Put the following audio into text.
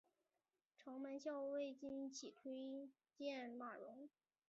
城门校尉岑起举荐马融。